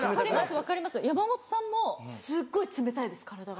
分かります山本さんもすっごい冷たいです体が。